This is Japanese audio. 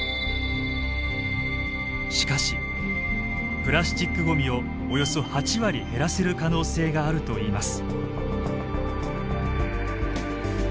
しかしプラスチックごみをおよそ８割減らせる可能性があるといいます。